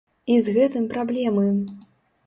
І з гэтым праблемы.